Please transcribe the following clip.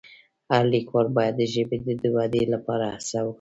هر لیکوال باید د ژبې د ودې لپاره هڅه وکړي.